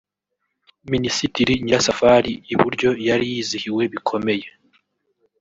Minisitiri Nyirasafari (iburyo) yari yizihiwe bikomeye